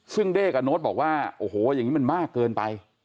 ซึ่งเด้กับโน้ตบอกว่าโอ้โหอย่างนี้มันมากเกินไป